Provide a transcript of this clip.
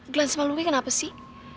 gila sama lu kayak kenapa sih